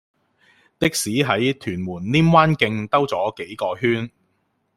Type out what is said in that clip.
的士喺屯門稔灣徑兜左幾個圈